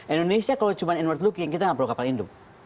indonesia kalau cuma inward looking kita nggak perlu kapal induk